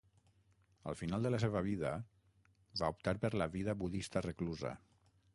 Al final de la seva vida, va optar per la vida budista reclusa.